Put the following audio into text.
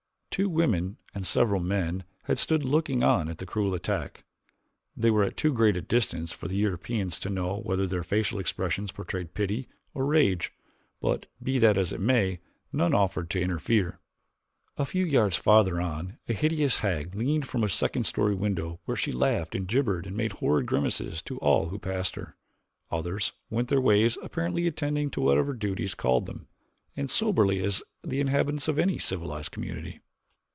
Two women and several men had stood looking on at the cruel attack. They were at too great a distance for the Europeans to know whether their facial expressions portrayed pity or rage, but be that as it may, none offered to interfere. A few yards farther on a hideous hag leaned from a second story window where she laughed and jibbered and made horrid grimaces at all who passed her. Others went their ways apparently attending to whatever duties called them, as soberly as the inhabitants of any civilized community.